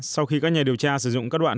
sau khi các nhà điều tra sử dụng các đoạn